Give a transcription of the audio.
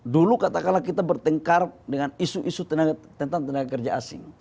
dulu katakanlah kita bertengkar dengan isu isu tentang tenaga kerja asing